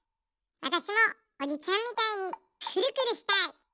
わたしもおじちゃんみたいにくるくるしたい！